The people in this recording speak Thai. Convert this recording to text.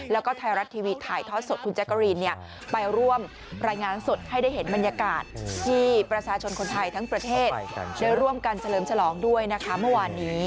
แล้วก็ไทยรัฐทีวีถ่ายทอดสดคุณแจ๊กกะรีนไปร่วมรายงานสดให้ได้เห็นบรรยากาศที่ประชาชนคนไทยทั้งประเทศได้ร่วมกันเฉลิมฉลองด้วยนะคะเมื่อวานนี้